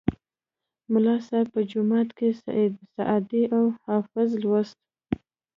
ملا صیب به جومات کې سعدي او حافظ لوست.